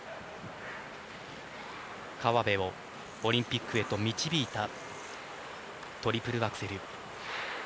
河辺をオリンピックへと導いたトリプルアクセル。